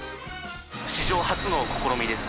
史上初の試みです。